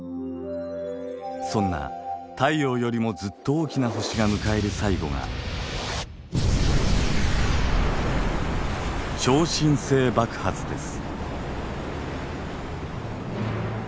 そんな太陽よりもずっと大きな星が迎える最後が超新星爆発です。